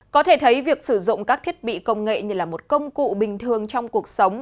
có thể thấy việc sử dụng các thiết bị công nghệ như là một công cụ bình thường trong cuộc sống